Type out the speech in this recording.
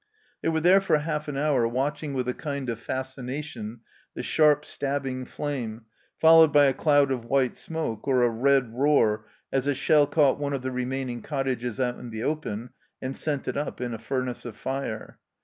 They were there for half an hour watching with a kind of fascination the sharp, stabbing flame, followed by a cloud of white smoke, or a red roar as a shell caught one of the remaining cottages out in the open and sent it up in a furnace of fire.